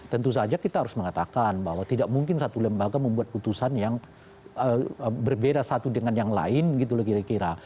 tentu saja kita harus mengatakan bahwa tidak mungkin satu lembaga membuat putusan yang berbeda satu dengan yang lain gitu loh kira kira